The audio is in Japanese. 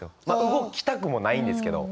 動きたくもないんですけど。